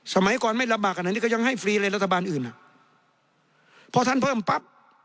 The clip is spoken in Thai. สมัยก่อนไม่ลำบากขนาดนี้ก็ยังให้ฟรีเลยรัฐบาลอื่นอ่ะพอท่านเพิ่มปั๊บ